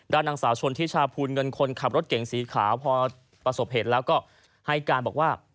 นางสาวชนทิชาภูลเงินคนขับรถเก่งสีขาวพอประสบเหตุแล้วก็ให้การบอกว่า